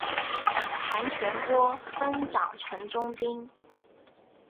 谭全播分掌城中兵。